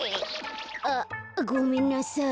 あごめんなさい。